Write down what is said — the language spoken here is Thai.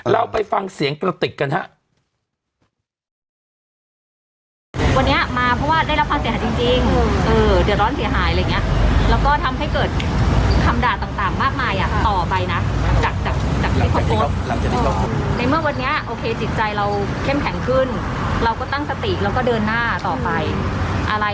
เราไปฟังเสียงกระติกกันฮะ